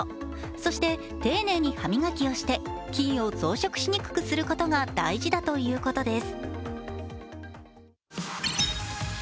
そして丁寧に歯磨きをして菌を増殖しにくくすることが大事だということです。